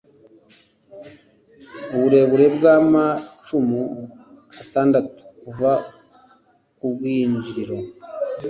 Uburebure bwamacumu atandatu kuva ku bwinjiriro